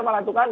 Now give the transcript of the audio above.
malah itu kan